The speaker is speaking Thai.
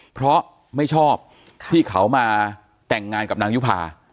เพราะไม่ชอบที่เขามาแต่งงานกับนางยุภา